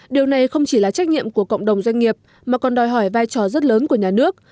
điều này không chỉ là trách nhiệm của cộng đồng doanh nghiệp mà còn đòi hỏi vai trò rất lớn của nhà nước